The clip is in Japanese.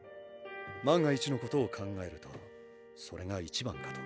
万が一のことを考えるとそれが一番かと。